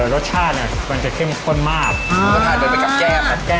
รสชาติมันจะเข้มข้นมาก